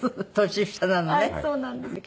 年下なのね。